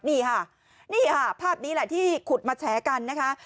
นี่ค่ะนี่ค่ะภาพนี้แหละที่ขุดมาแฉกันนะคะ